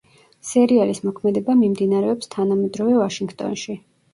სერიალის მოქმედება მიმდინარეობს თანამედროვე ვაშინგტონში.